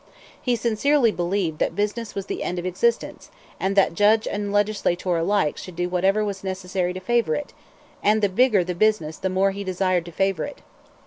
He sincerely believed that business was the end of existence, and that judge and legislator alike should do whatever was necessary to favor it; and the bigger the business the more he desired to favor it.